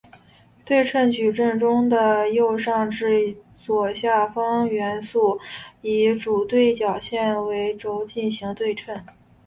对称矩阵中的右上至左下方向元素以主对角线为轴进行对称。